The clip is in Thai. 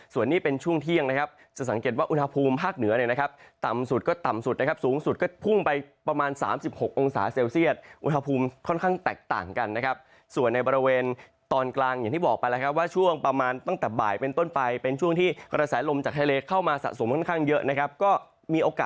ส่วนนี้เป็นช่วงเที่ยงนะครับจะสังเกตว่าอุณหภูมิภาคเหนือเนี่ยนะครับต่ำสุดก็ต่ำสุดนะครับสูงสุดก็พุ่งไปประมาณ๓๖องศาเซลเซียตอุณหภูมิค่อนข้างแตกต่างกันนะครับส่วนในบริเวณตอนกลางอย่างที่บอกไปแล้วครับว่าช่วงประมาณตั้งแต่บ่ายเป็นต้นไปเป็นช่วงที่กระแสลมจากทะเลเข้ามาสะสมค่อนข้างเยอะนะครับก็มีโอกาส